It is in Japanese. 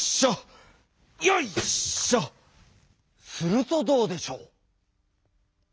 するとどうでしょう。